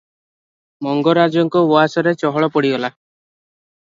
ମଙ୍ଗରାଜଙ୍କ ଉଆସରେ ଚହଳ ପଡିଗଲା ।